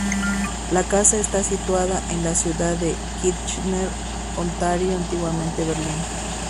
La casa está situada en la ciudad de Kitchener, Ontario, antiguamente Berlín.